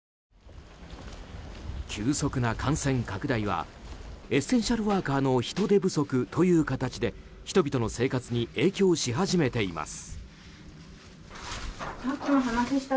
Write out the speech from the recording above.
急速な感染拡大はエッセンシャルワーカーの人手不足という形で人々の生活に影響し始めています。